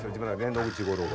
野口五郎が。